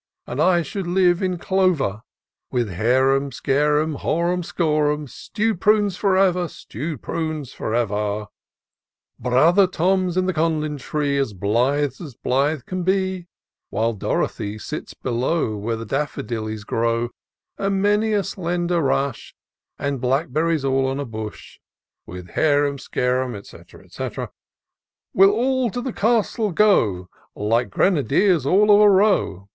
And I should live in clover ; With harum scarum, horum scorum, Stew'd prunes for ever ! Stew'd prunes for ever ! R \ 122 TOUR OF DOCTOR SYNTAX Brother Tom's in the codliu tree, As blithe as blithe can be : While Dorothy sits below, Where the daffodillies grow ; And many a slender rush> And blackberries all on a bush ; With harum scarum, &c. &c. We'll all to the castle go, Like grenadiers all of a row.